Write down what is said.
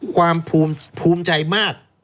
ความภูมิใจมาก